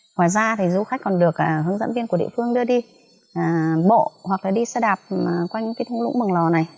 ngoài ra thì du khách còn được hướng dẫn viên của địa phương đưa đi bộ hoặc là đi xe đạp quanh những cái thung lũng lò này